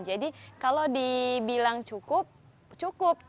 jadi kalau dibilang cukup cukup